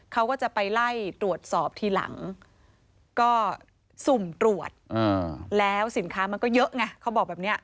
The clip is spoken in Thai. เขาก็จะไปไล่ตรวจสอบทีหลังก็สุ่มตรวจแล้วสินค้ามันก็เยอะไงเขาบอกแบบนี้